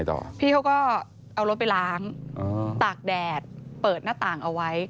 ตากแดดเปิดหน้าต่างเอาไว้